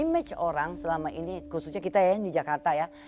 image orang selama ini khususnya kita ya di jakarta ya